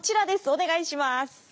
お願いします！